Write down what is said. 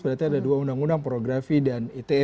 berarti ada dua undang undang pornografi dan ite